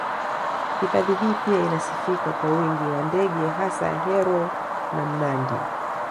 Hifadhi hii pia inasifika kwa wingi wa ndege hasa heroe na mnandi